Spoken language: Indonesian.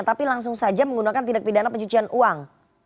tapi langsung saja menggunakan tindak pidana pencucian uang